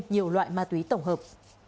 nhiều loại ma túy tổng hợp